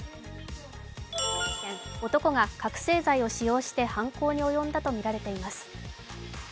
男が覚醒剤をしようして犯行に及んだとみられています。